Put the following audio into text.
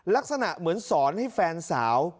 ลักษณะเหมือนสอนให้แฟนสาว